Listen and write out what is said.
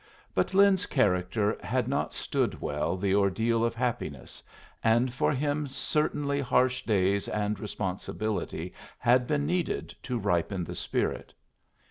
But Lin's character had not stood well the ordeal of happiness, and for him certainly harsh days and responsibility had been needed to ripen the spirit.